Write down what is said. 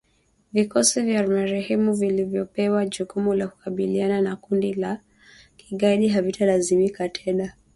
Vikosi vya Marekani vilivyopewa jukumu la kukabiliana na kundi la kigaidi havitalazimika tena kusafiri hadi Somalia kutoka nchi jirani kama ilivyokuwa hapo awali.